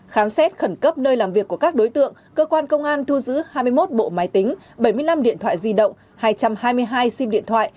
khám xét khẩn cấp nơi làm việc của các đối tượng cơ quan công an thu giữ hai mươi một bộ máy tính bảy mươi năm điện thoại di động hai trăm hai mươi hai sim điện thoại